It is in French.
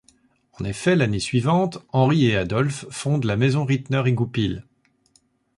En effet, l'année suivante, Henri et Adolphe fondent la maison Rittner & Goupil.